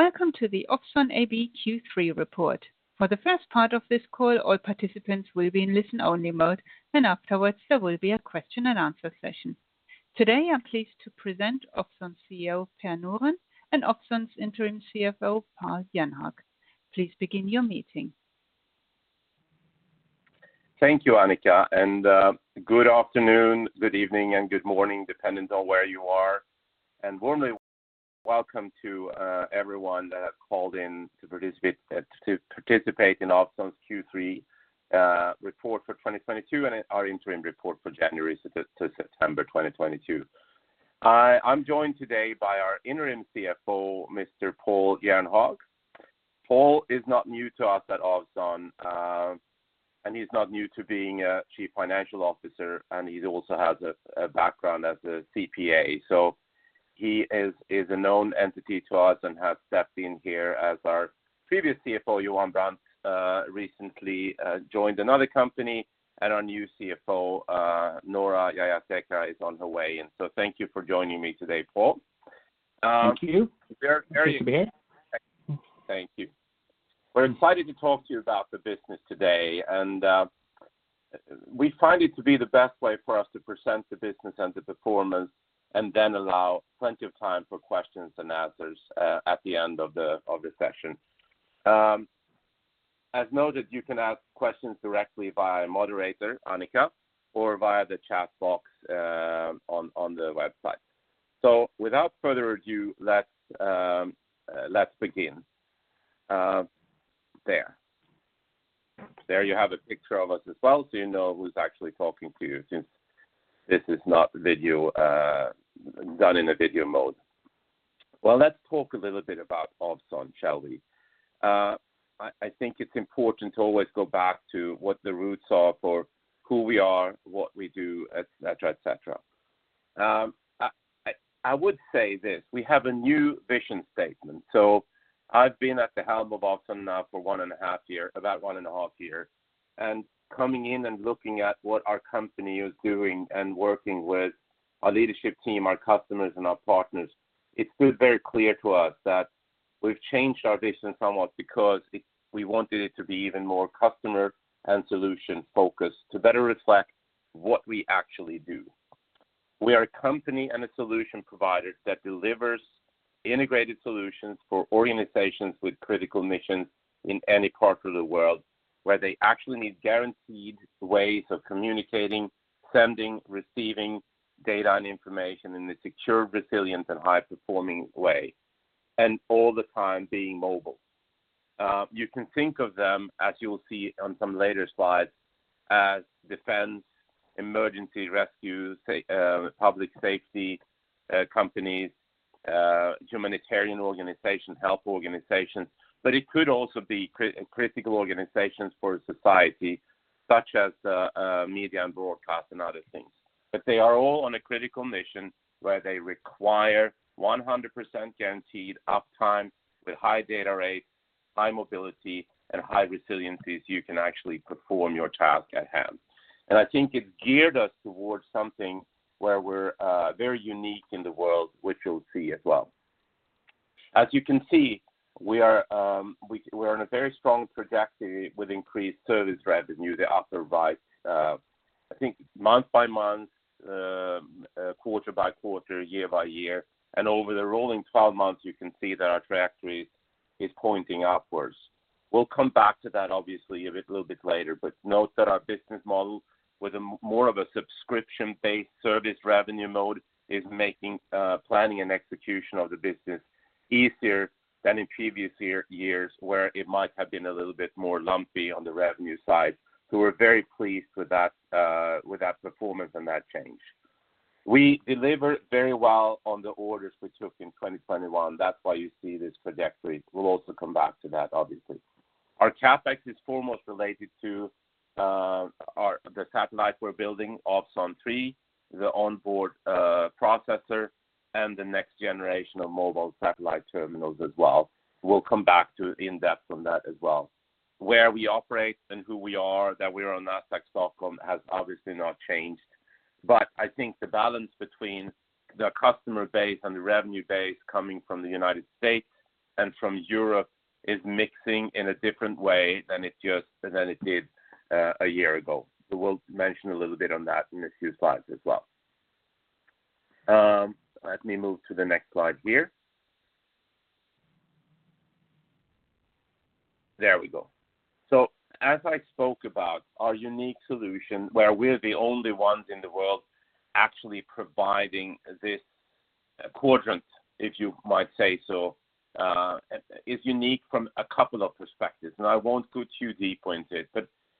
Welcome to the Ovzon AB Q3 report. For the first part of this call, all participants will be in listen-only mode, and afterwards, there will be a question and answer session. Today, I'm pleased to present Ovzon CEO, Per Norén, and Ovzon's Interim CFO, Pål Jernhag. Please begin your meeting. Thank you, Annika, and good afternoon, good evening, and good morning, depending on where you are. Warmly welcome to everyone that have called in to participate in Ovzon's Q3 report for 2022 and our interim report for January to September 2022. I'm joined today by our interim CFO, Mr. Pål Jernhag. Pål is not new to us at Ovzon, and he's not new to being a chief financial officer, and he also has a background as a CPA. So he is a known entity to us and has stepped in here as our previous CFO, Johan Brandt, recently joined another company, and our new CFO, Noora Jayasekara, is on her way in. So thank you for joining me today, Pål. Thank you. There you go. Nice to be here. Thank you. We're excited to talk to you about the business today, and we find it to be the best way for us to present the business and the performance and then allow plenty of time for questions and answers at the end of the session. As noted, you can ask questions directly via moderator Annika or via the chat box on the website. Without further ado, let's begin. There you have a picture of us as well, so you know who's actually talking to you since this is not video done in a video mode. Well, let's talk a little bit about Ovzon, shall we? I think it's important to always go back to what the roots are for who we are, what we do, et cetera. I would say this, we have a new vision statement. I've been at the helm of Ovzon now for one and a half years, and coming in and looking at what our company is doing and working with our leadership team, our customers, and our partners, it's been very clear to us that we've changed our vision somewhat because we wanted it to be even more customer and solution-focused to better reflect what we actually do. We are a company and a solution provider that delivers integrated solutions for organizations with critical missions in any part of the world, where they actually need guaranteed ways of communicating, sending, receiving data and information in a secure, resilient, and high-performing way, and all the time being mobile. You can think of them, as you will see on some later slides, as defense, emergency rescues, public safety, companies, humanitarian organizations, health organizations, but it could also be critical organizations for society, such as, media and broadcast and other things. They are all on a critical mission where they require 100% guaranteed uptime with high data rates, high mobility, and high resiliency so you can actually perform your task at hand. I think it geared us towards something where we're very unique in the world, which you'll see as well. As you can see, we're on a very strong trajectory with increased service revenue that are provided, I think month by month, quarter by quarter, year by year, and over the rolling twelve months, you can see that our trajectory is pointing upwards. We'll come back to that obviously a bit, little bit later, but note that our business model with a more of a subscription-based service revenue mode is making planning and execution of the business easier than in previous years, where it might have been a little bit more lumpy on the revenue side. We're very pleased with that, with that performance and that change. We delivered very well on the orders we took in 2021. That's why you see this trajectory. We'll also come back to that, obviously. Our CapEx is foremost related to the satellite we're building, Ovzon 3, the onboard processor, and the next generation of mobile satellite terminals as well. We'll come back to that in depth as well. Where we operate and who we are, that we're on Nasdaq Stockholm has obviously not changed. I think the balance between the customer base and the revenue base coming from the United States and from Europe is mixing in a different way than it did a year ago. We'll mention a little bit on that in a few slides as well. Let me move to the next slide here. There we go. As I spoke about our unique solution, where we're the only ones in the world actually providing this quadrant, if you might say so, is unique from a couple of perspectives, and I won't go too deep on it.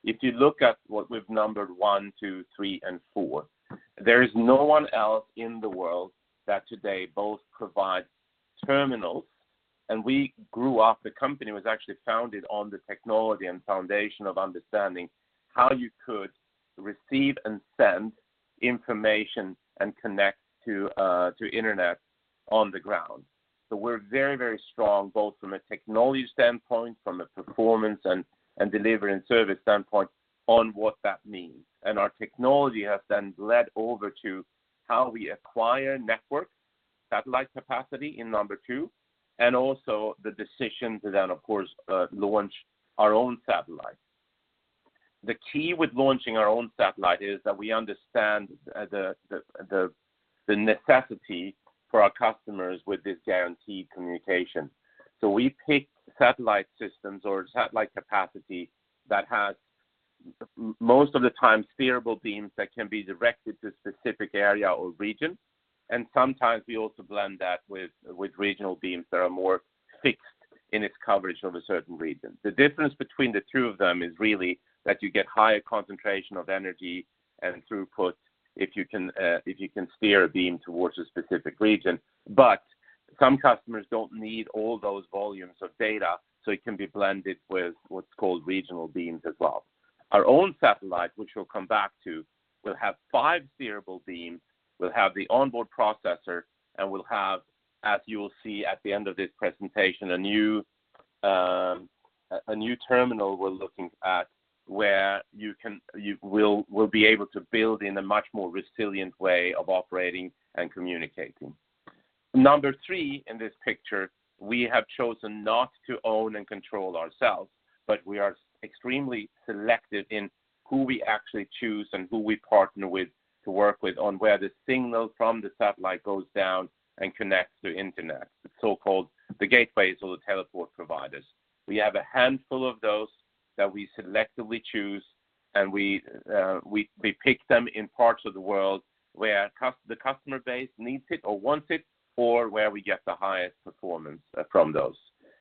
If you look at what we've numbered one, two, three, and four, there is no one else in the world that today both provides terminals, and we grew up, the company was actually founded on the technology and foundation of understanding how you could receive and send information and connect to to internet on the ground. We're very, very strong, both from a technology standpoint, from a performance and delivery and service standpoint on what that means. Our technology has then led over to how we acquire network satellite capacity in number two, and also the decision to then, of course, launch our own satellite. The key with launching our own satellite is that we understand the necessity for our customers with this guaranteed communication. We pick satellite systems or satellite capacity that has most of the time steerable beams that can be directed to a specific area or region, and sometimes we also blend that with regional beams that are more fixed in its coverage of a certain region. The difference between the two of them is really that you get higher concentration of energy and throughput if you can steer a beam towards a specific region. Some customers don't need all those volumes of data, so it can be blended with what's called regional beams as well. Our own satellite, which we'll come back to, will have five steerable beams. We'll have the onboard processor, and we'll have, as you will see at the end of this presentation, a new terminal we're looking at where you will be able to build in a much more resilient way of operating and communicating. Number three in this picture, we have chosen not to own and control ourselves, but we are extremely selective in who we actually choose and who we partner with to work with on where the signal from the satellite goes down and connects to Internet, the so-called gateways or the teleport providers. We have a handful of those that we selectively choose, and we pick them in parts of the world where the customer base needs it or wants it, or where we get the highest performance from those.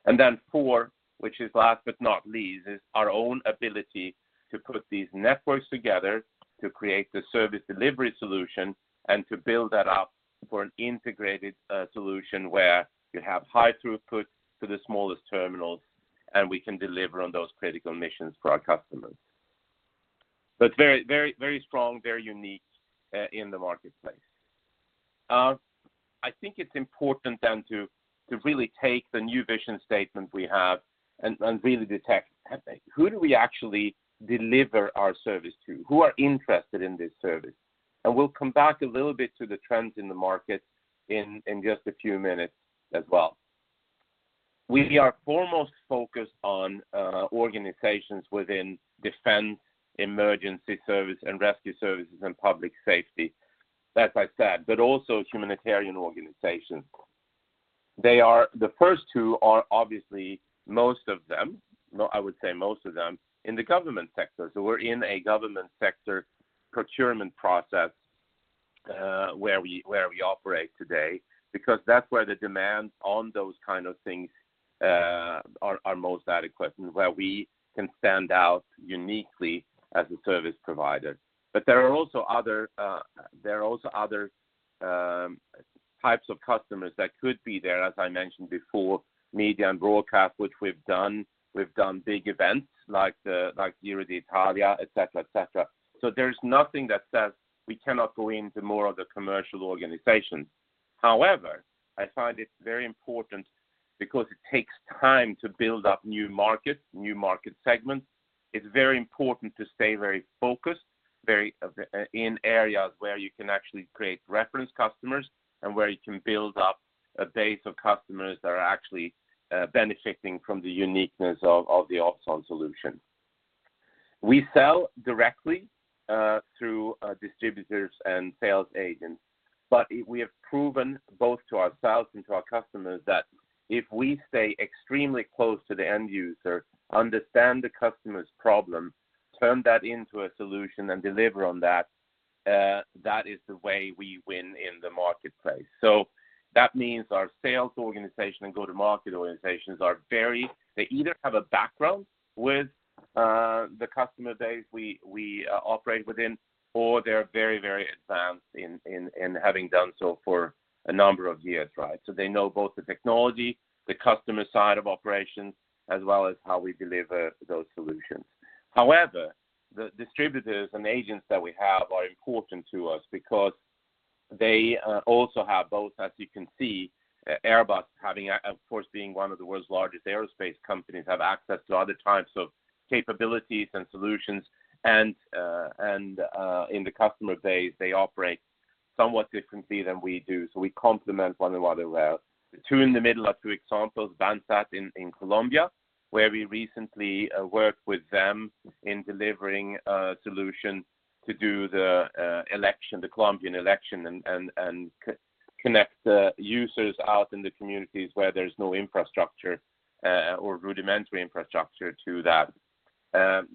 Then four, which is last but not least, is our own ability to put these networks together to create the service delivery solution and to build that up for an integrated solution where you have high throughput to the smallest terminals, and we can deliver on those critical missions for our customers. Very strong, very unique in the marketplace. I think it's important then to really take the new vision statement we have and really detect who do we actually deliver our service to? Who are interested in this service? We'll come back a little bit to the trends in the market in just a few minutes as well. We are foremost focused on organizations within defense, emergency service and rescue services, and public safety, as I said, but also humanitarian organizations. They are. The first two are obviously most of them. No, I would say most of them in the government sector. We're in a government sector procurement process where we operate today, because that's where the demands on those kind of things are most adequate and where we can stand out uniquely as a service provider. There are also other types of customers that could be there, as I mentioned before, media and broadcast, which we've done. We've done big events like the Giro d'Italia, et cetera, et cetera. There's nothing that says we cannot go into more of the commercial organizations. However, I find it very important because it takes time to build up new markets, new market segments. It's very important to stay very focused, very, in areas where you can actually create reference customers and where you can build up a base of customers that are actually, benefiting from the uniqueness of the Ovzon solution. We sell directly, through distributors and sales agents, but we have proven both to ourselves and to our customers that if we stay extremely close to the end user, understand the customer's problem, turn that into a solution and deliver on that is the way we win in the marketplace. That means our sales organization and go-to-market organizations are very... They either have a background with the customer base we operate within, or they're very advanced in having done so for a number of years, right? They know both the technology, the customer side of operations, as well as how we deliver those solutions. However, the distributors and agents that we have are important to us because they also have both, as you can see, Airbus having, of course, being one of the world's largest aerospace companies, have access to other types of capabilities and solutions. In the customer base, they operate somewhat differently than we do, so we complement one another well. The two in the middle are two examples. VANTAT in Colombia, where we recently worked with them in delivering a solution to do the election, the Colombian election and connect the users out in the communities where there's no infrastructure or rudimentary infrastructure to that.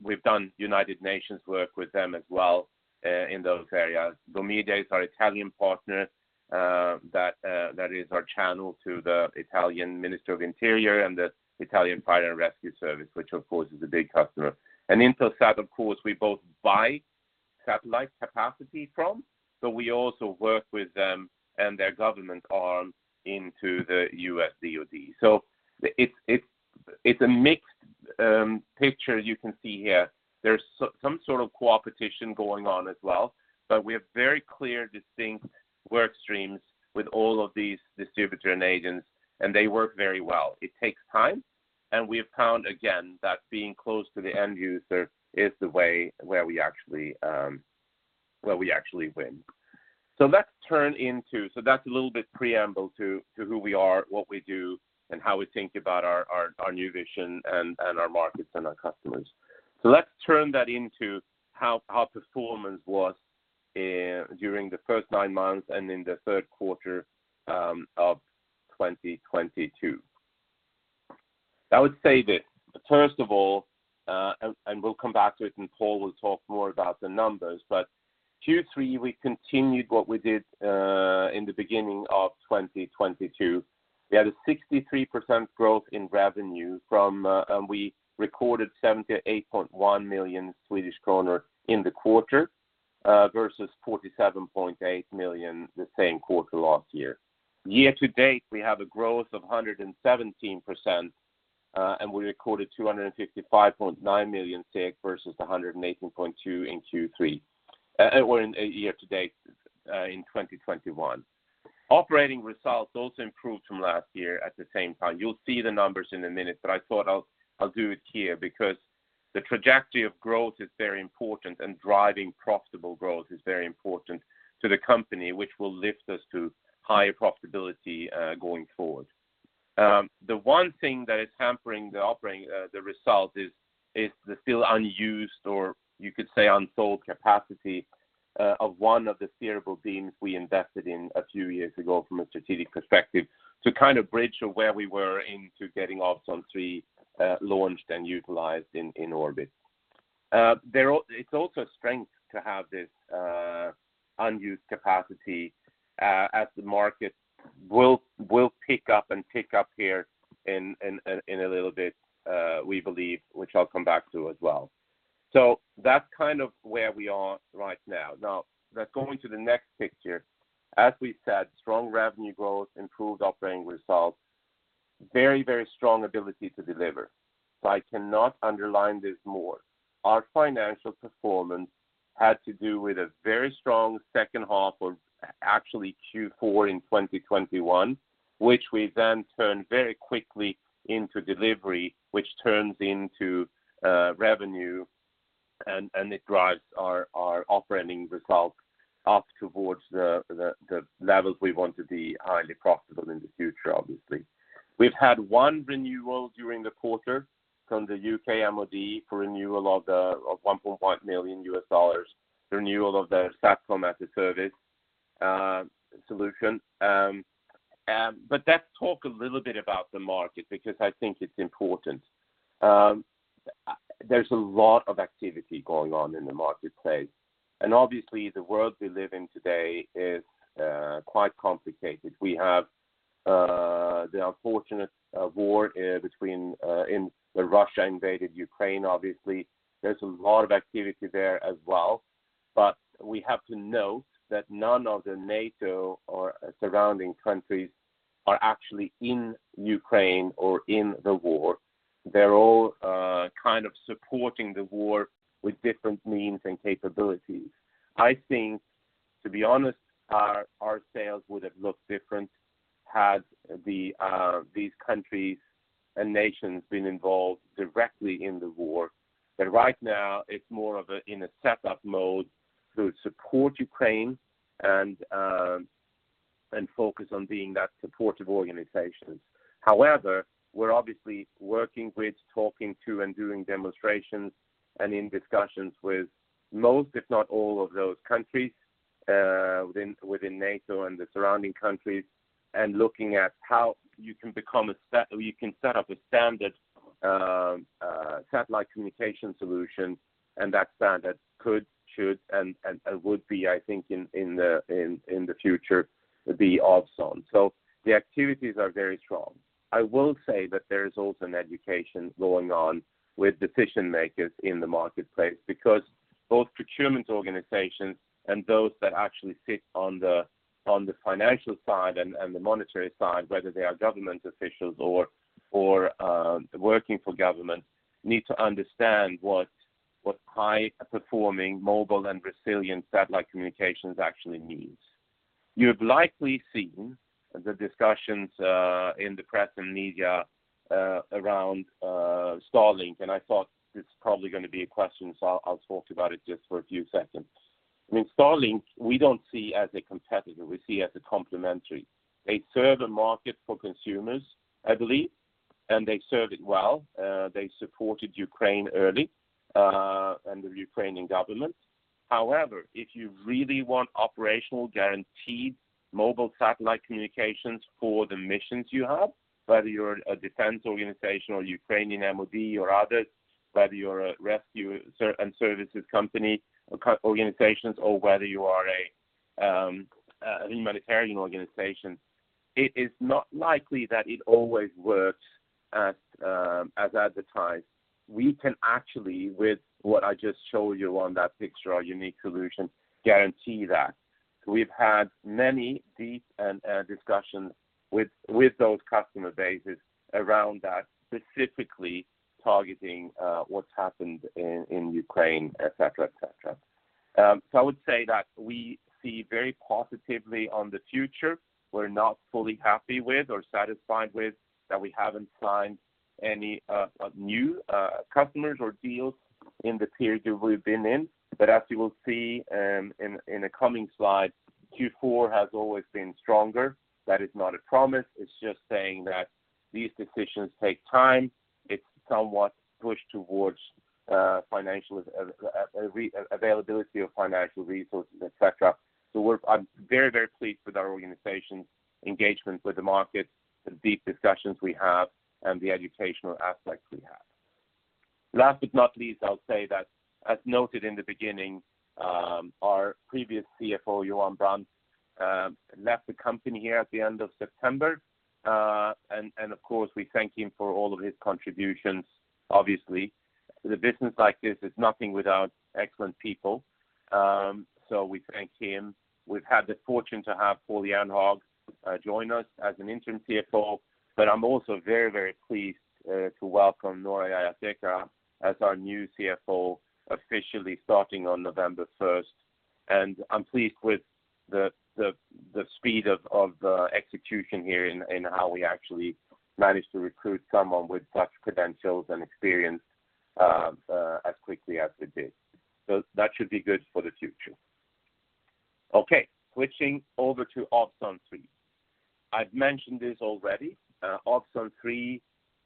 We've done United Nations work with them as well in those areas. Domidea is our Italian partner that is our channel to the Italian Ministry of the Interior and the Italian National Fire and Rescue Service, which of course is a big customer. Intelsat, of course, we both buy satellite capacity from, but we also work with them and their government arm into the U.S. Department of Defense. It's a mixed picture you can see here. There's some sort of competition going on as well, but we have very clear, distinct work streams with all of these distributors and agents, and they work very well. It takes time, and we have found again that being close to the end user is the way where we actually win. Let's turn to. That's a little bit preamble to who we are, what we do, and how we think about our new vision and our markets and our customers. Let's turn that to how performance was during the first nine months and in the third quarter of 2022. I would say that, first of all, we'll come back to it, and Pål will talk more about the numbers, but Q3 we continued what we did in the beginning of 2022. We had a 63% growth in revenue. We recorded 78.1 million Swedish kronor in the quarter versus 47.8 million the same quarter last year. Year to date, we have a growth of 117%, and we recorded 255.9 million versus 118.2 million year to date in 2021. Operating results also improved from last year at the same time. You'll see the numbers in a minute, but I thought I'll do it here because the trajectory of growth is very important, and driving profitable growth is very important to the company, which will lift us to higher profitability going forward. The one thing that is hampering the operating result is the still unused, or you could say unsold capacity of one of the steerable beams we invested in a few years ago from a strategic perspective to kind of bridge where we were into getting Ovzon 3 launched and utilized in a little bit, we believe, which I'll come back to as well. That's kind of where we are right now. Now, let's go into the next picture. As we said, strong revenue growth, improved operating results. Very, very strong ability to deliver. I cannot underline this more. Our financial performance had to do with a very strong second half of actually Q4 in 2021, which we then turned very quickly into delivery, which turns into revenue and it drives our operating results up towards the levels we want to be highly profitable in the future, obviously. We've had one renewal during the quarter from the U.K. MoD for renewal of $1.1 million, renewal of the SATCOM as a Service solution. Let's talk a little bit about the market because I think it's important. There's a lot of activity going on in the marketplace, and obviously the world we live in today is quite complicated. We have the unfortunate war when Russia invaded Ukraine, obviously. There's a lot of activity there as well. We have to know that none of the NATO or surrounding countries are actually in Ukraine or in the war. They're all kind of supporting the war with different means and capabilities. I think, to be honest, our sales would have looked different had these countries and nations been involved directly in the war. Right now, it's more of a setup mode to support Ukraine and focus on being that supportive organization. However, we're obviously working with, talking to, and doing demonstrations and in discussions with most, if not all, of those countries, within NATO and the surrounding countries, and looking at how you can set up a standard satellite communication solution, and that standard could, should and would be, I think, in the future be Ovzon. So the activities are very strong. I will say that there is also an education going on with decision makers in the marketplace because both procurement organizations and those that actually sit on the financial side and the monetary side, whether they are government officials or working for government, need to understand what high-performing mobile and resilient satellite communications actually means. You've likely seen the discussions in the press and media around Starlink, and I thought it's probably gonna be a question, so I'll talk about it just for a few seconds. I mean, Starlink, we don't see as a competitor. We see as a complementary. They serve a market for consumers, I believe, and they serve it well. They supported Ukraine early and the Ukrainian government. However, if you really want operational guaranteed mobile satellite communications for the missions you have, whether you're a defense organization or Ukrainian MoD or others, whether you're a rescue and services company organizations or whether you are a humanitarian organization, it is not likely that it always works as advertised. We can actually, with what I just showed you on that picture, our unique solution, guarantee that. We've had many deep and discussions with those customer bases around that, specifically targeting what's happened in Ukraine, et cetera, et cetera. I would say that we see very positively on the future. We're not fully happy with or satisfied with that we haven't signed any new customers or deals in the period that we've been in. As you will see in the coming slides, Q4 has always been stronger. That is not a promise, it's just saying that these decisions take time. It's somewhat pushed towards financial availability of financial resources, et cetera. I'm very, very pleased with our organization's engagement with the market, the deep discussions we have, and the educational aspects we have. Last but not least, I'll say that as noted in the beginning, our previous CFO, Johan Brandt, left the company here at the end of September. Of course, we thank him for all of his contributions, obviously. With a business like this, it's nothing without excellent people, so we thank him. We've had the fortune to have Pål Jernhag join us as an Interim CFO, but I'm also very pleased to welcome Noora Jayasekara as our new CFO, officially starting on November first. I'm pleased with the speed of execution here in how we actually managed to recruit someone with such credentials and experience as quickly as we did. That should be good for the future. Okay, switching over to Ovzon 3. I've mentioned this already. Ovzon 3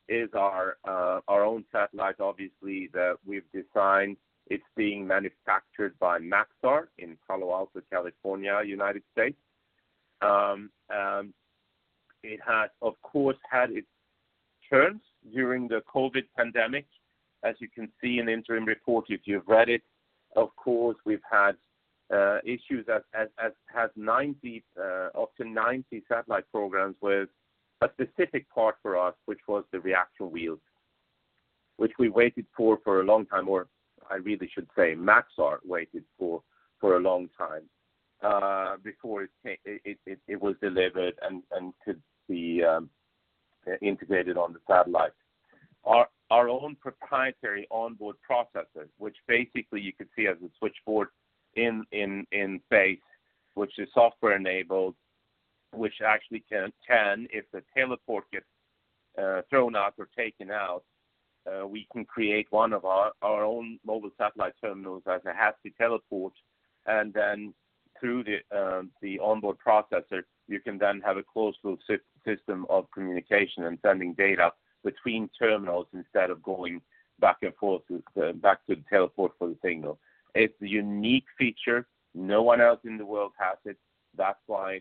is our own satellite, obviously, that we've designed. It's being manufactured by Maxar in Palo Alto, California, United States. It has, of course, had its turns during the COVID pandemic. As you can see in the interim report, if you've read it, of course, we've had issues as has up to 90 satellite programs with a specific part for us, which was the reaction wheel. Which we waited for for a long time, or I really should say Maxar waited for for a long time, before it was delivered and could be integrated on the satellite. Our own proprietary onboard processor, which basically you could see as a switchboard in space, which is software-enabled. Which actually can, if the teleport gets thrown out or taken out, we can create one of our own mobile satellite terminals as a backup teleport. Then through the onboard processor, you can then have a closed-loop system of communication and sending data between terminals instead of going back and forth, back to the teleport for the signal. It's a unique feature. No one else in the world has it. That's why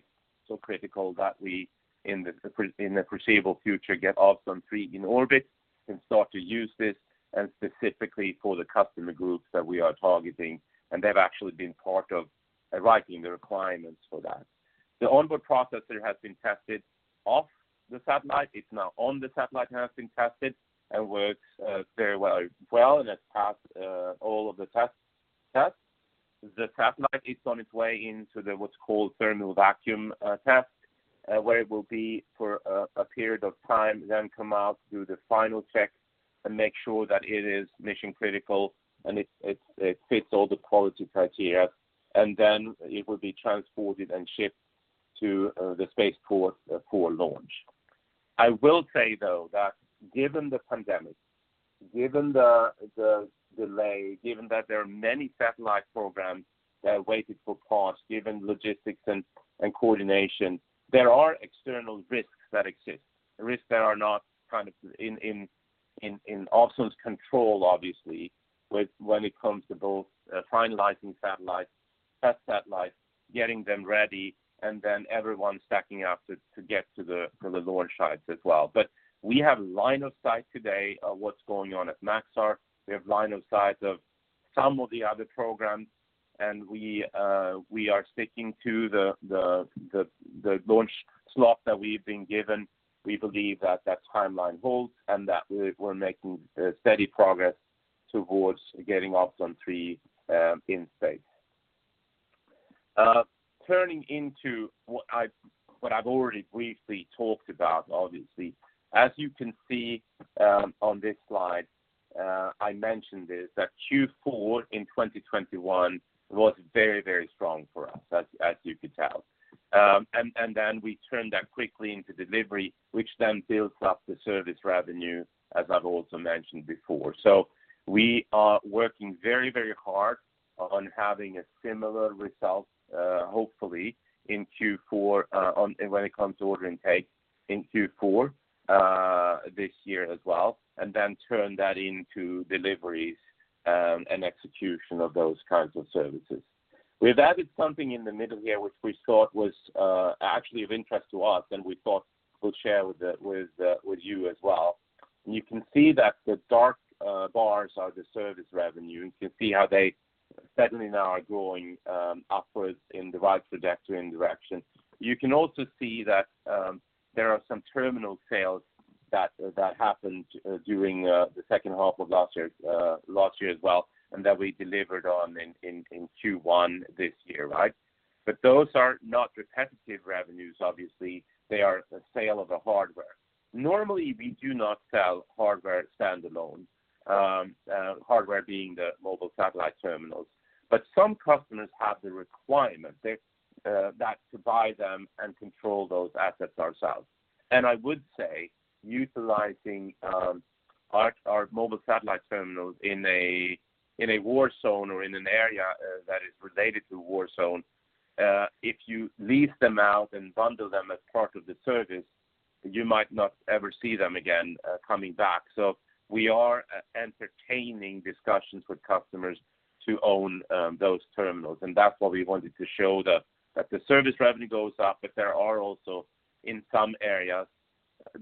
it's so critical that we, in the foreseeable future, get Ovzon 3 in orbit and start to use this and specifically for the customer groups that we are targeting. They've actually been part of writing the requirements for that. The onboard processor has been tested off the satellite. It's now on the satellite and has been tested and works very well, and it's passed all of the tests. The satellite is on its way into what's called thermal vacuum test, where it will be for a period of time, then come out, do the final checks, and make sure that it is mission-critical and it fits all the quality criteria. It will be transported and shipped to the space port for launch. I will say, though, that given the pandemic, given the delay, given that there are many satellite programs that are waiting for parts, given logistics and coordination, there are external risks that exist. Risks that are not kind of in Ovzon's control, obviously, with when it comes to both finalizing satellites, test satellites, getting them ready, and then everyone stacking up to get to the launch sites as well. We have line of sight today of what's going on at Maxar. We have line of sight of some of the other programs, and we are sticking to the launch slot that we've been given. We believe that timeline holds and that we're making steady progress towards getting Ovzon 3 in space. Turning into what I've already briefly talked about, obviously. As you can see on this slide, I mentioned this, that Q4 in 2021 was very strong for us, as you could tell. We turned that quickly into delivery, which then builds up the service revenue, as I've also mentioned before. We are working very, very hard on having a similar result, hopefully in Q4, when it comes to order intake in Q4, this year as well, and then turn that into deliveries, and execution of those kinds of services. We've added something in the middle here, which we thought was actually of interest to us, and we thought we'll share with you as well. You can see that the dark bars are the service revenue. You can see how they certainly now are going upwards in the right trajectory and direction. You can also see that there are some terminal sales that happened during the second half of last year, last year as well, and that we delivered on in Q1 this year, right? But those are not repetitive revenues, obviously, they are the sale of the hardware. Normally, we do not sell hardware standalone, hardware being the mobile satellite terminals. But some customers have the requirement that to buy them and control those assets ourselves. I would say utilizing our mobile satellite terminals in a war zone or in an area that is related to a war zone, if you lease them out and bundle them as part of the service, you might not ever see them again coming back. We are entertaining discussions with customers to own those terminals. That's why we wanted to show that the service revenue goes up, but there are also, in some areas,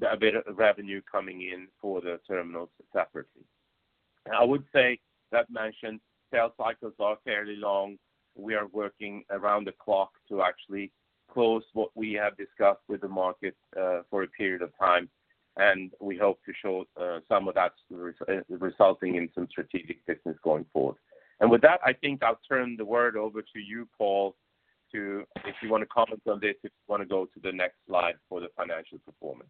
a bit of revenue coming in for the terminals separately. I would say that mentioned sales cycles are fairly long. We are working around the clock to actually close what we have discussed with the market for a period of time. We hope to show some of that resulting in some strategic business going forward. With that, I think I'll turn it over to you, Pål, if you wanna comment on this, if you wanna go to the next slide for the financial performance.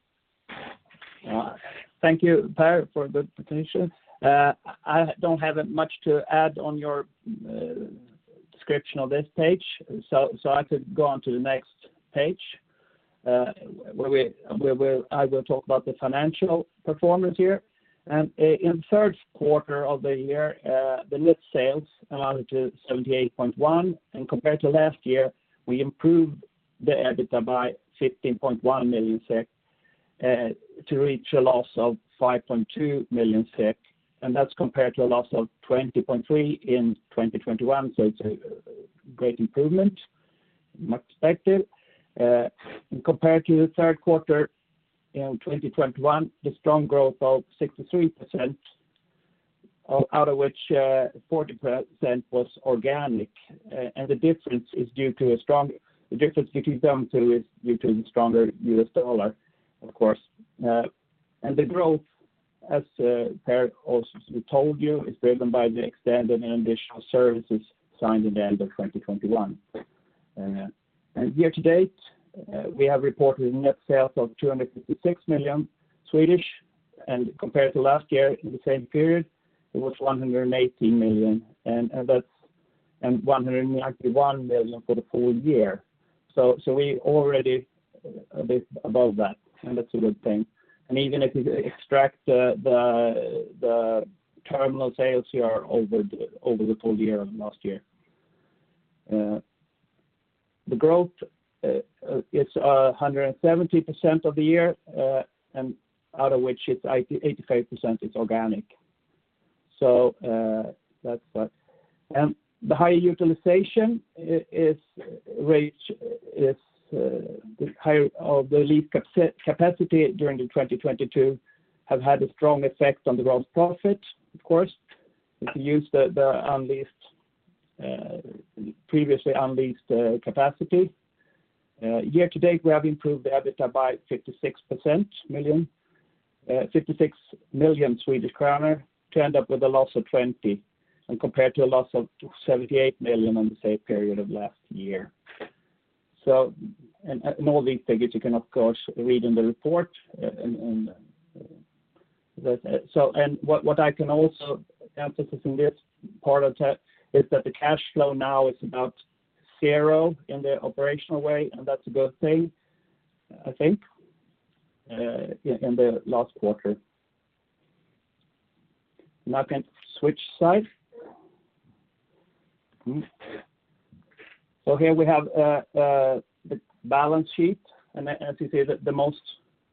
Thank you, Per, for the presentation. I don't have much to add on your description of this page, so I could go on to the next page, where I will talk about the financial performance here. In the third quarter of the year, the net sales amounted to 78.1 million, and compared to last year, we improved the EBITDA by 15.1 million SEK to reach a loss of 5.2 million SEK, and that's compared to a loss of 20.3 million in 2021. It's a great improvement from that perspective. Compared to the third quarter in 2021, the strong growth of 63%, out of which 40% was organic. The difference between them two is due to the stronger U.S. dollar, of course. The growth, as Per also told you, is driven by the extended and additional services signed at the end of 2021. Year to date, we have reported net sales of 256 million, and compared to last year in the same period, it was 180 million. That's 191 million for the full year. We already a bit above that, and that's a good thing. Even if you extract the terminal sales here over the full year of last year. The growth is 170% of the year, and out of which it's 85% is organic. That's that. The high utilization is the high of the leased capacity during 2022 have had a strong effect on the gross profit, of course, if you use the previously unleased capacity. Year to date, we have improved the EBITDA by 56 million Swedish kronor to end up with a loss of 20 million, compared to a loss of 78 million on the same period of last year. All these figures you can, of course, read in the report, and that's it. What I can also emphasize in this part of that is that the cash flow now is about zero in the operational way, and that's a good thing, I think, in the last quarter. Now I can switch slide. Here we have the balance sheet, and as you see, the most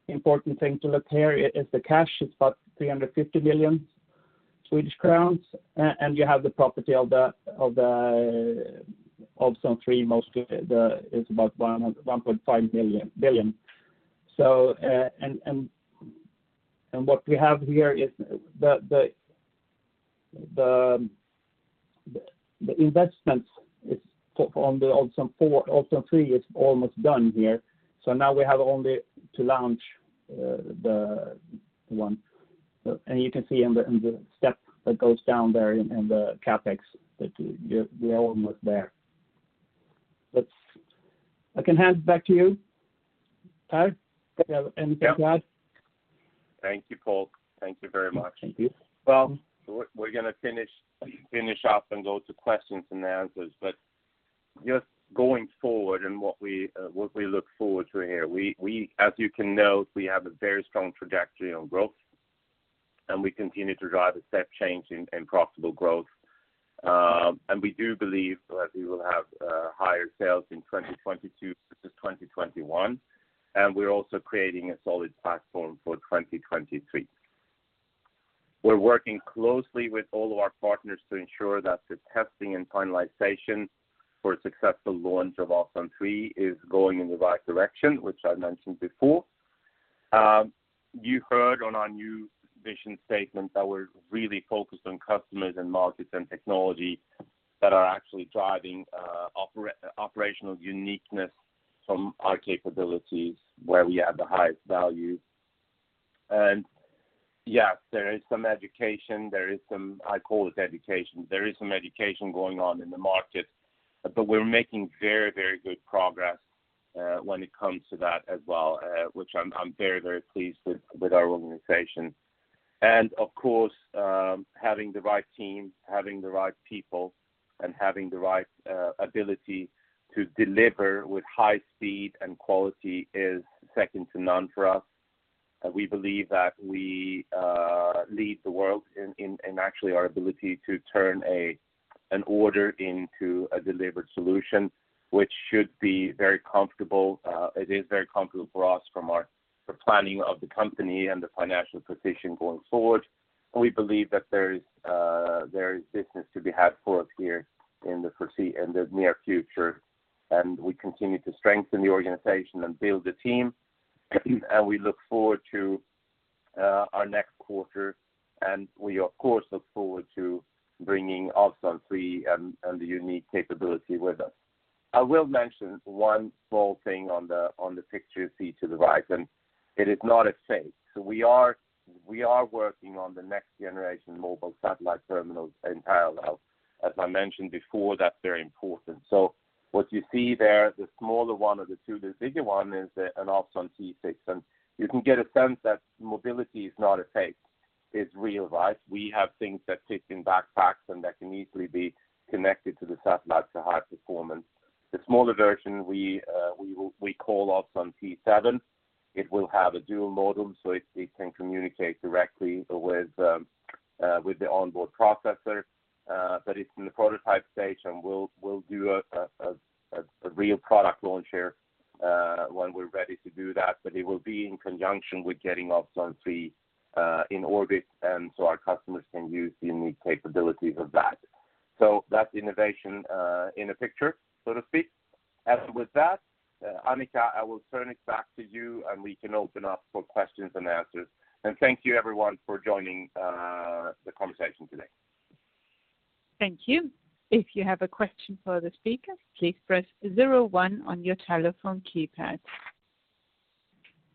important thing to look here is the cash. It's about 350 million Swedish crowns, and you have the property, plant and equipment, mostly, is about 1.5 billion. What we have here is the investments is on the Ovzon 4, Ovzon 3 is almost done here. Now we have only to launch the one. You can see in the step that goes down there in the CapEx that we're almost there. That's. I can hand it back to you, Per, if you have anything to add. Yeah. Thank you, Pål. Thank you very much. Thank you. We're gonna finish up and go to questions and answers. Just going forward and what we look forward to here, as you can note, we have a very strong trajectory on growth, and we continue to drive a step change in profitable growth. We do believe that we will have higher sales in 2022 versus 2021, and we're also creating a solid platform for 2023. We're working closely with all of our partners to ensure that the testing and finalization for a successful launch of Ovzon 3 is going in the right direction, which I mentioned before. You heard on our new vision statement that we're really focused on customers and markets and technology that are actually driving operational uniqueness from our capabilities where we have the highest value. Yes, there is some education. I call it education. There is some education going on in the market, but we're making very, very good progress when it comes to that as well, which I'm very, very pleased with our organization. Of course, having the right team, having the right people, and having the right ability to deliver with high speed and quality is second to none for us. We believe that we lead the world in actually our ability to turn an order into a delivered solution, which should be very comfortable. It is very comfortable for us from the planning of the company and the financial position going forward. We believe that there is business to be had for us here in the near future. We continue to strengthen the organization and build the team. We look forward to our next quarter, and we of course look forward to bringing Ovzon 3 and the unique capability with us. I will mention one small thing on the picture you see to the right, and it is not a phase. We are working on the next generation mobile satellite terminals in parallel. As I mentioned before, that's very important. What you see there, the smaller one of the two, the bigger one is an Ovzon T6. You can get a sense that mobility is not a phase. It's real life. We have things that fit in backpacks and that can easily be connected to the satellite for high performance. The smaller version, we call Ovzon T7. It will have a dual modem, so it can communicate directly with the onboard processor, but it's in the prototype stage, and we'll do a real product launch here when we're ready to do that. It will be in conjunction with getting Ovzon 3 in orbit, and our customers can use the unique capabilities of that. That's innovation in a picture, so to speak. With that, Annika, I will turn it back to you, and we can open up for questions and answers. Thank you everyone for joining the conversation today. Thank you. If you have a question for the speaker, please press zero one on your telephone keypad.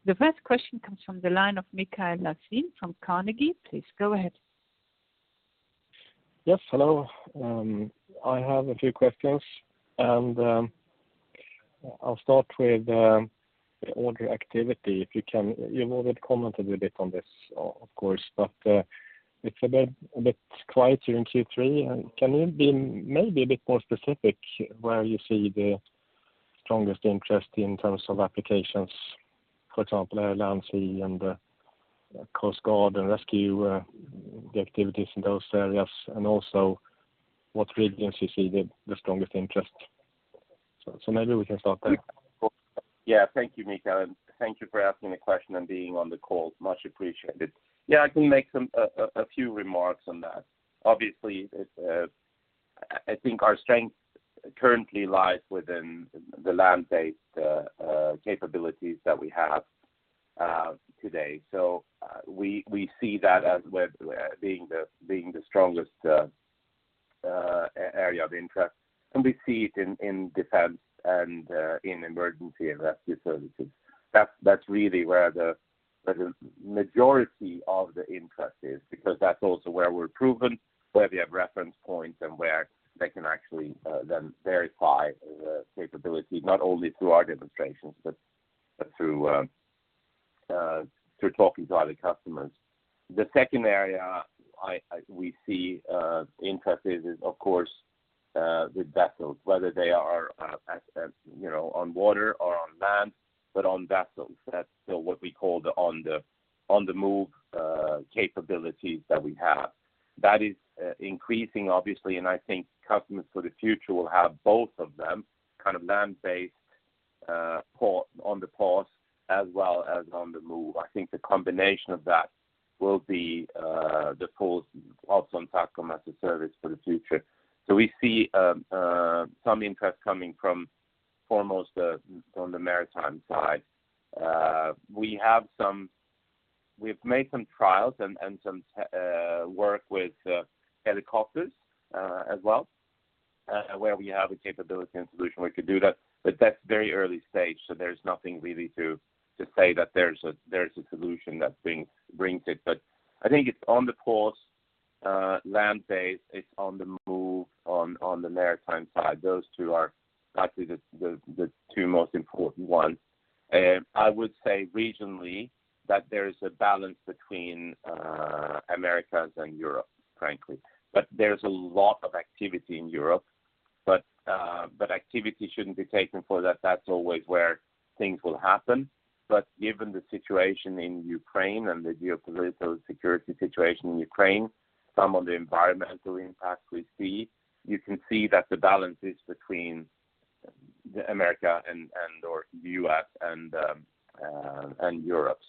The first question comes from the line of Mikael Laséen from Carnegie. Please go ahead. Yes, hello. I have a few questions, and I'll start with the order activity, if you can. You've already commented a bit on this, of course, but it's a bit quieter in Q3. Can you be maybe a bit more specific where you see the strongest interest in terms of applications, for example, air, land, sea, and coast guard and rescue, the activities in those areas, and also what regions you see the strongest interest? Maybe we can start there. Yeah. Thank you, Mikael. Thank you for asking the question and being on the call. Much appreciated. Yeah, I can make a few remarks on that. Obviously, it's I think our strength currently lies within the land-based capabilities that we have today. We see that as where being the strongest area of interest, and we see it in defense and in emergency and rescue services. That's really where the majority of the interest is, because that's also where we're proven, where we have reference points and where they can actually then verify the capability, not only through our demonstrations, but through talking to other customers. The second area we see interest is of course with vessels, whether they are, as you know, on water or on land, but on vessels. That's what we call the on-the-move capabilities that we have. That is increasing obviously, and I think customers for the future will have both of them, kind of land-based, on the port as well as on the move. I think the combination of that will be the port's Ovzon SATCOM as a Service for the future. We see some interest coming from foremost on the maritime side. We have some. We've made some trials and some work with helicopters as well, where we have a capability and solution where we could do that. That's very early stage, so there's nothing really to say that there's a solution that brings it. I think it's on the ports, land-based, it's on the move on the maritime side. Those two are actually the two most important ones. I would say regionally that there is a balance between Americas and Europe, frankly. There's a lot of activity in Europe. Activity shouldn't be taken for that. That's always where things will happen. Given the situation in Ukraine and the geopolitical security situation in Ukraine, some of the environmental impacts we see, you can see that the balance is between America and or the U.S. and Europe.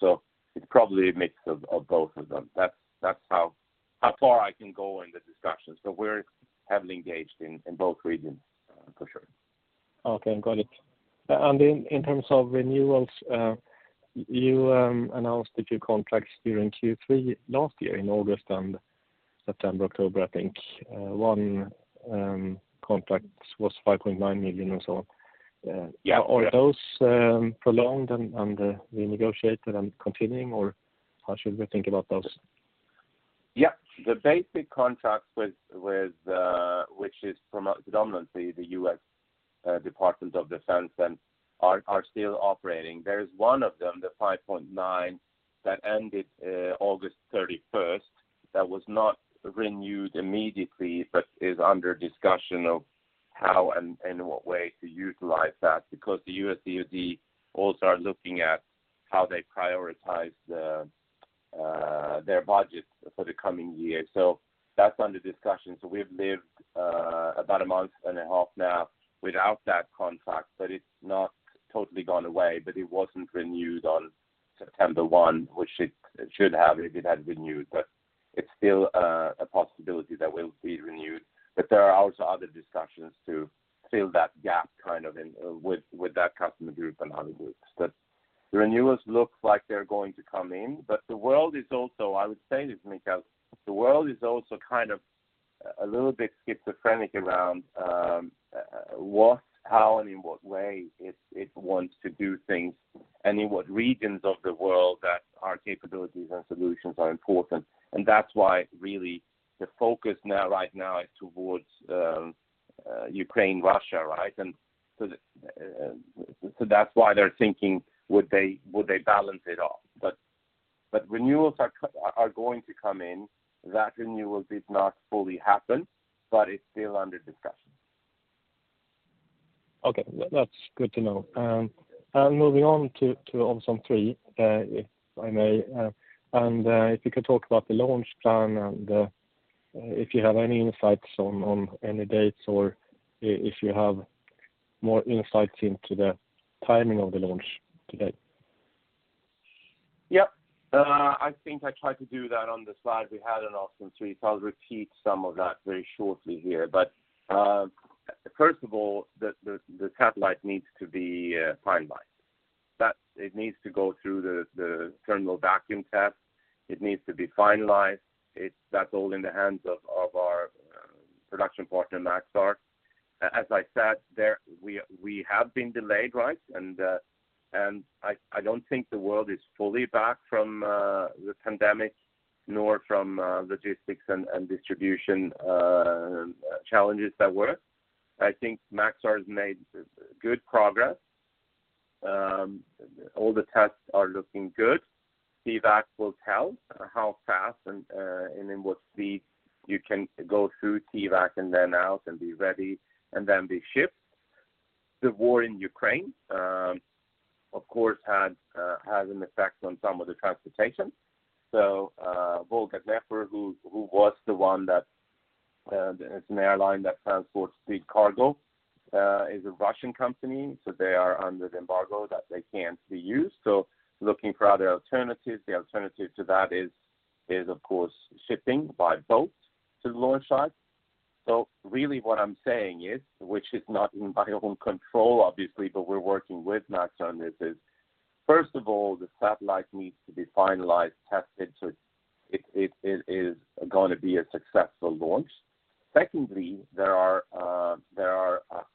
It's probably a mix of both of them. That's how far I can go in the discussion. We're heavily engaged in both regions. Okay, got it. In terms of renewals, you announced a few contracts during Q3 last year in August and September, October, I think, one contract was 5.9 million or so. Yeah. Are those prolonged and renegotiated and continuing, or how should we think about those? Yeah. The basic contracts with which are from predominantly the U.S. Department of Defense and are still operating. There's one of them, the 5.9 million, that ended August 31st, that was not renewed immediately, but is under discussion of how and in what way to utilize that because the U.S. DoD also are looking at how they prioritize their budget for the coming year. That's under discussion. We've lived about a month and a half now without that contract, but it's not totally gone away, but it wasn't renewed on September 1, which it should have if it had renewed. It's still a possibility that will be renewed. There are also other discussions to fill that gap, kind of in with that customer group and how it works. The renewals look like they're going to come in. The world is also, I would say this, Mikael, the world is also kind of a little bit schizophrenic around what, how, and in what way it wants to do things and in what regions of the world that our capabilities and solutions are important. That's why really the focus now, right now is towards Ukraine, Russia, right? That's why they're thinking, would they balance it off? Renewals are going to come in. That renewal did not fully happen, but it's still under discussion. Okay. That's good to know. Moving on to Ovzon 3, if I may. If you could talk about the launch plan and if you have any insights on any dates or if you have more insights into the timing of the launch to date. I think I tried to do that on the slide we had on Ovzon 3. I'll repeat some of that very shortly here. First of all, the satellite needs to be finalized. It needs to go through the thermal vacuum test. It needs to be finalized. That's all in the hands of our production partner, Maxar. As I said, we have been delayed, right? I don't think the world is fully back from the pandemic nor from logistics and distribution challenges that were. I think Maxar's made good progress. All the tests are looking good. TVAC will tell how fast and in what speed you can go through TVAC and then out and be ready and then be shipped. The war in Ukraine has an effect on some of the transportation. Volga-Dnepr, who is an airline that transports the cargo, is a Russian company, so they are under the embargo that they can't be used. Looking for other alternatives. The alternative to that is, of course, shipping by boat to the launch site. Really what I'm saying is, which is not in my own control, obviously, but we're working with Maxar on this. First of all, the satellite needs to be finalized, tested, so it is gonna be a successful launch. Secondly, there are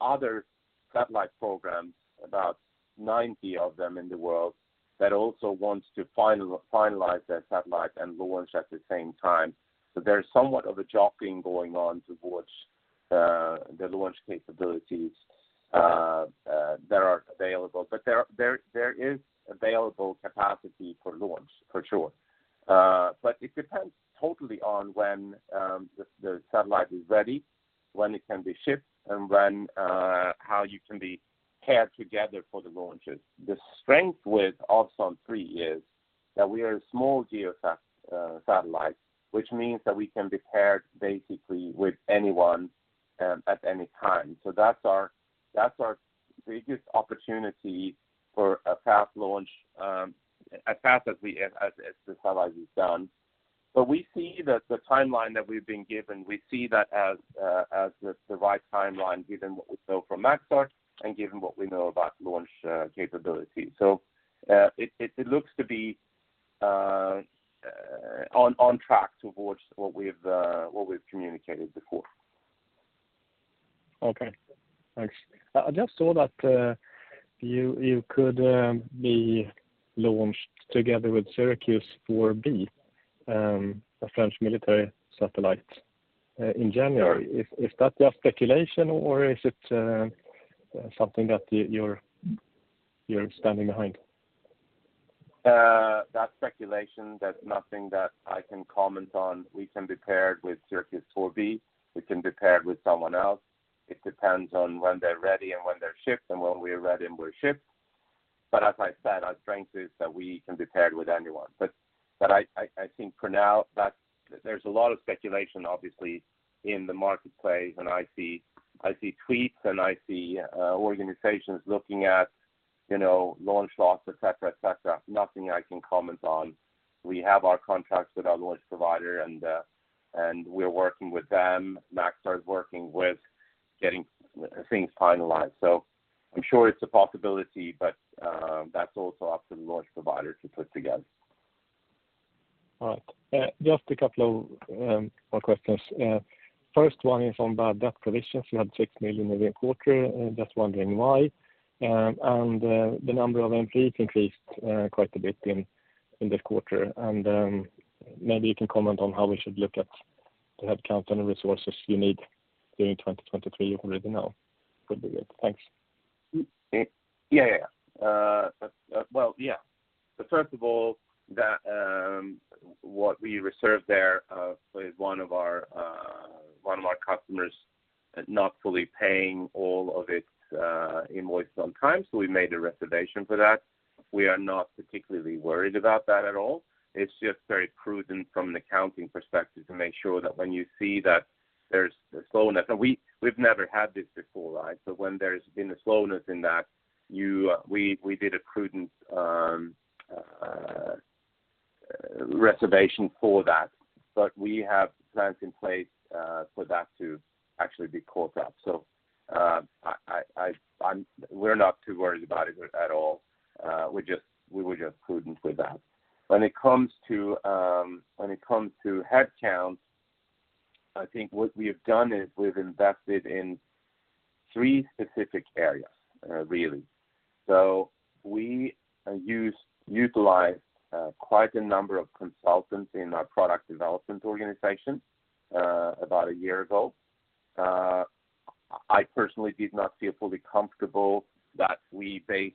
other satellite programs, about 90 of them in the world, that also wants to finalize their satellite and launch at the same time. There's somewhat of a jockeying going on towards the launch capabilities that are available. There is available capacity for launch, for sure. It depends totally on when the satellite is ready, when it can be shipped, and when how you can be paired together for the launches. The strength with Ovzon 3 is that we are a small GEO sat satellite, which means that we can be paired basically with anyone at any time. That's our biggest opportunity for a fast launch, as fast as the satellite is done. We see that the timeline that we've been given as the right timeline, given what we know from Maxar and given what we know about launch capability. It looks to be on track towards what we've communicated before. Okay, thanks. I just saw that you could be launched together with Syracuse 4B, a French military satellite, in January. Is that just speculation or is it something that you're standing behind? That's speculation. That's nothing that I can comment on. We can be paired with Syracuse 4B. We can be paired with someone else. It depends on when they're ready and when they're shipped and when we're ready and we're shipped. Our strength is that we can be paired with anyone. I think for now that there's a lot of speculation, obviously, in the marketplace, and I see tweets and I see organizations looking at you know, launch loss, et cetera, et cetera. Nothing I can comment on. We have our contracts with our launch provider and we're working with them. Maxar is working with getting things finalized. I'm sure it's a possibility, but that's also up to the launch provider to put together. All right. Just a couple of more questions. First one is on bad debt provisions. You had 6 million in the quarter. Just wondering why. The number of employees increased quite a bit in this quarter. Maybe you can comment on how we should look at the headcount and resources you need during 2023 if you're ready now. Would be good. Thanks. First of all, what we reserved there was one of our customers not fully paying all of its invoice on time, so we made a reservation for that. We are not particularly worried about that at all. It's just very prudent from an accounting perspective to make sure that when you see that there's a slowness. We've never had this before, right? When there's been a slowness in that, we did a prudent reservation for that. We have plans in place for that to actually be caught up. We're not too worried about it at all. We were just prudent with that. When it comes to headcount, I think what we have done is we've invested in three specific areas, really. We utilized quite a number of consultants in our product development organization, about a year ago. I personally did not feel fully comfortable that we base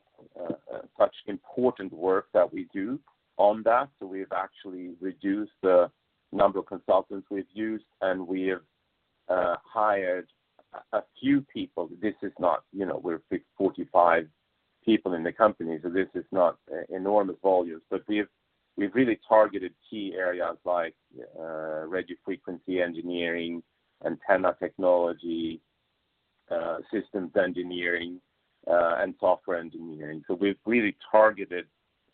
such important work that we do on that. We've actually reduced the number of consultants we've used, and we have hired a few people. This is not, you know, we're 45 people in the company, so this is not enormous volumes. We've really targeted key areas like radio frequency engineering, antenna technology, systems engineering, and software engineering. We've really targeted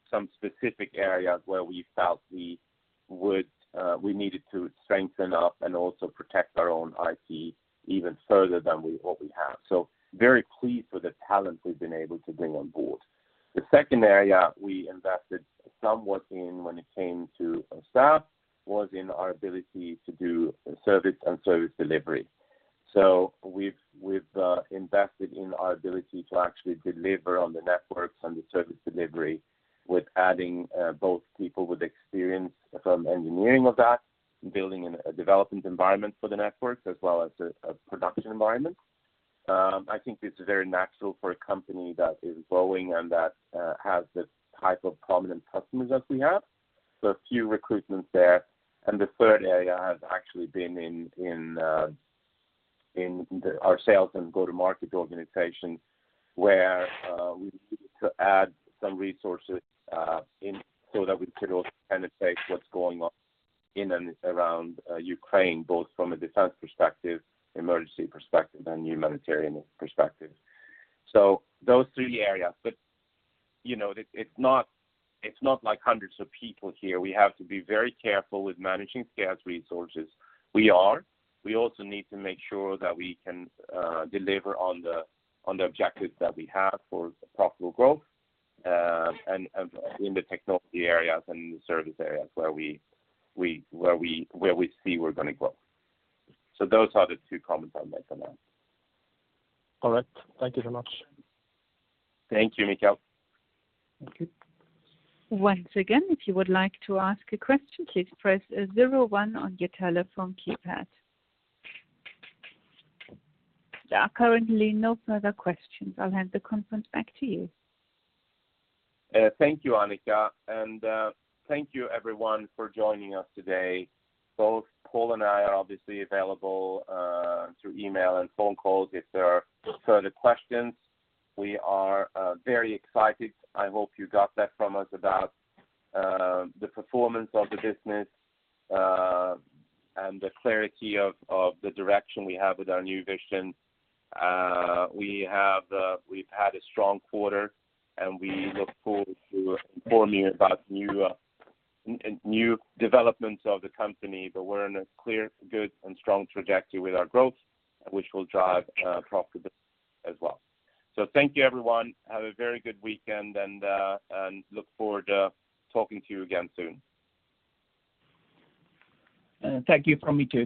some specific areas where we felt we needed to strengthen up and also protect our own IT even further than what we have. Very pleased with the talent we've been able to bring on board. The second area we invested somewhat in when it came to staff was in our ability to do service and service delivery. We've invested in our ability to actually deliver on the networks and the service delivery with adding both people with experience from engineering of that, building a development environment for the networks, as well as a production environment. I think it's very natural for a company that is growing and that has the type of prominent customers that we have. A few recruitments there. The third area has actually been in our sales and go-to-market organization, where we've needed to add some resources in so that we could also anticipate what's going on in and around Ukraine, both from a defense perspective, emergency perspective, and humanitarian perspective. Those three areas. You know, it's not like hundreds of people here. We have to be very careful with managing scarce resources. We are. We also need to make sure that we can deliver on the objectives that we have for profitable growth, and in the technology areas and the service areas where we see we're gonna grow. Those are the two comments I'll make on that. All right. Thank you so much. Thank you, Mikael. Thank you. Once again, if you would like to ask a question, please press zero one on your telephone keypad. There are currently no further questions. I'll hand the conference back to you. Thank you, Annika, and thank you everyone for joining us today. Both Pål and I are obviously available through email and phone calls if there are further questions. We are very excited. I hope you got that from us about the performance of the business and the clarity of the direction we have with our new vision. We've had a strong quarter, and we look forward to informing you about new developments of the company. We're in a clear, good and strong trajectory with our growth, which will drive profit as well. Thank you everyone. Have a very good weekend and look forward to talking to you again soon. Thank you from me too.